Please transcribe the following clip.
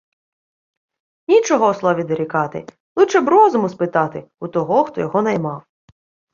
Нічого Ослові дорікати Лучче б розуму спитати У того, хто його наймав.